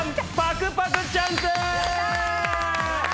やったー！